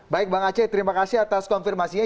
baik bang aceh terima kasih atas konfirmasinya